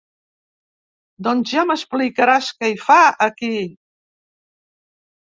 Doncs ja m'explicaràs què hi fa, aquí.